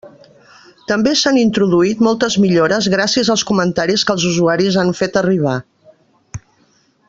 També s'han introduït moltes millores gràcies als comentaris que els usuaris han fet arribar.